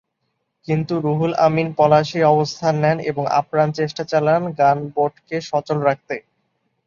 কিন্তু রুহুল আমিন পলাশেই অবস্থান নেন এবং আপ্রাণ চেষ্টা চালান গানবোটকে সচল রাখতে।